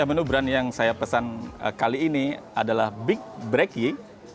menu brand yang saya pesan kali ini adalah big brecky